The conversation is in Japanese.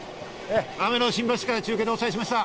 雨の新橋から中継でお伝えしました。